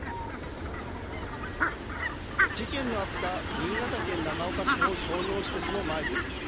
事件のあった新潟県長岡市の商業施設の前です。